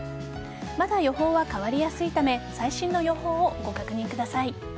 まだ予報は変わりやすいため最新の予報をご確認ください。